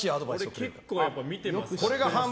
俺、結構見てますし。